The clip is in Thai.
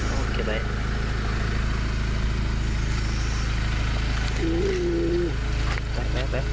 โอเคไป